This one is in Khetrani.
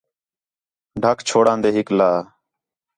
ڈَھک چھوڑان٘دے ہکلا